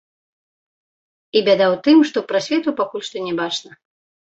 І бяда ў тым, што прасвету пакуль што не бачна.